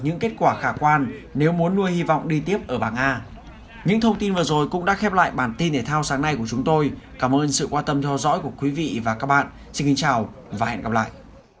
những thông tin vừa rồi cũng đã khép lại bản tin thể thao sáng nay của chúng tôi cảm ơn sự quan tâm theo dõi của quý vị và các bạn xin kính chào và hẹn gặp lại